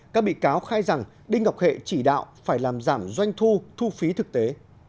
các bị cáo khai rằng đinh ngọc hệ chỉ đạo phải làm giảm doanh thu thu phí thực tế